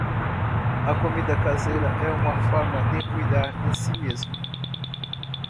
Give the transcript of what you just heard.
A comida caseira é uma forma de cuidar de si mesmo.